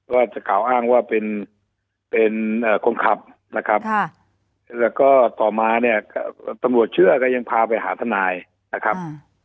ว่าจะกล่าวอ้างว่าเป็นคนขับนะครับแล้วก็ต่อมาเนี่ยตำรวจเชื่อก็ยังพาไปหาทนายนะครับ